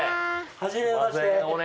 はじめまして。